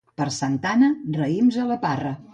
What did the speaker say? Per Santa Anna, raïms a la parra.